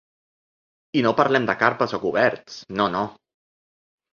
I no parlem de carpes o coberts… no, no.